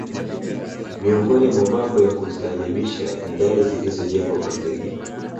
Miongoni mwa mambo ya kustaajabisha ni dari zilizojengwa kwa zege